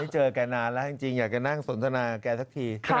ไหนเจอกันนานแล้วจริงอยากเรานั่งสนทนาแกสักที